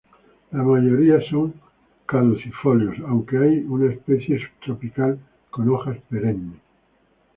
La mayoría son caducifolios, aunque hay una especie subtropical con hojas perennes.